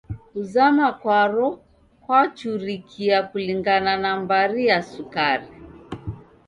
Kuzama kwaro kwachurikia kulingana na mbari ya sukari.